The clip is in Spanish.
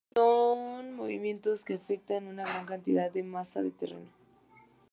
Son movimientos que afectan a una gran cantidad de masa de terreno.